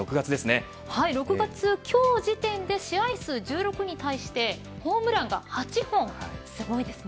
６月は今日時点で試合数１６に対してホームランが８本すごいですね。